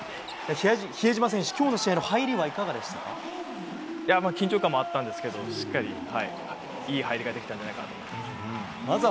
比江島選手、きょうの試合の入りいやぁ、緊張感もあったんですけど、しっかり、いい入りができたんじゃないかと思います。